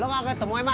lo gak ketemu emang